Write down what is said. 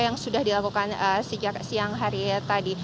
yang sudah dilakukan sejak siang hari tadi